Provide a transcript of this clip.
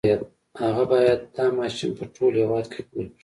هغه بايد دا ماشين په ټول هېواد کې خپور کړي.